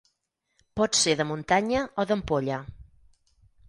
Pot ser de muntanya o d'ampolla.